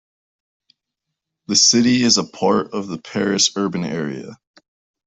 The city is a part of the Paris urban area.